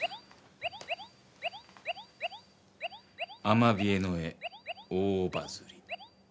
アマビエの絵大バズり。